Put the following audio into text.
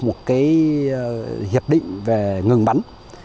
một hiệp định về ngừng bắn